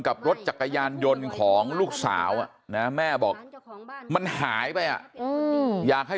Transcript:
กับรถจักรยานยนต์ของลูกสาวนะแม่บอกมันหายไปอ่ะอยากให้